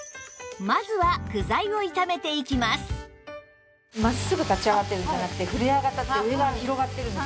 まずは真っすぐ立ち上がってるんじゃなくてフレア型って上が広がってるんですよ。